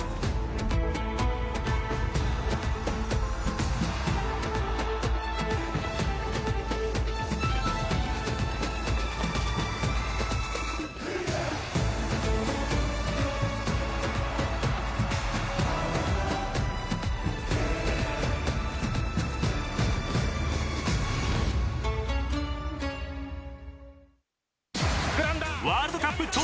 ［ワールドカップ直前！］